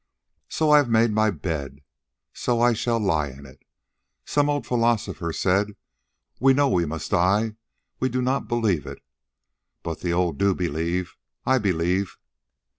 "So I have made my bed. So I shall lie in it. Some old philosopher said we know we must die; we do not believe it. But the old do believe. I believe.